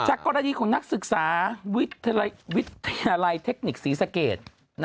กรณีของนักศึกษาวิทยาลัยเทคนิคศรีสเกต